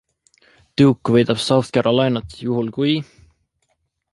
Duke võidab South Carolinat juhul, kui...